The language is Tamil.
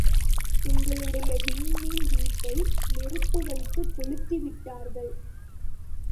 உங்களுடைய விண்மீன் வீட்டை நெருப்பு வைத்துக் கொளுத்திவிட்டார்கள்.